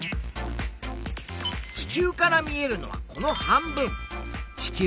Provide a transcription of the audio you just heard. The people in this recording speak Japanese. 地球から見えるのはこの半分。